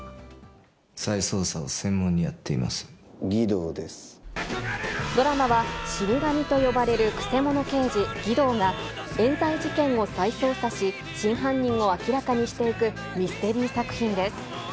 再捜査を専門にやっています、ドラマは死神と呼ばれるくせ者刑事、儀藤がえん罪事件を再捜査し、真犯人を明らかにしていくミステリー作品です。